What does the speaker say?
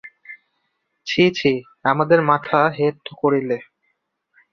ছি ছি, আমাদের মাথা হেঁট করিলে।